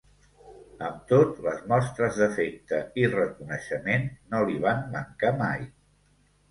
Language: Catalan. Amb tot, les mostres d’afecte i reconeixement no li van mancar mai.